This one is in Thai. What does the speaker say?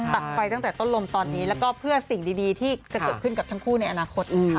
ตัดไฟตั้งแต่ต้นลมตอนนี้แล้วก็เพื่อสิ่งดีที่จะเกิดขึ้นกับทั้งคู่ในอนาคตนะคะ